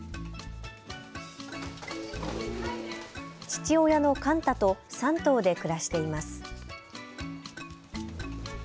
父親のカンタと３頭で暮らしています。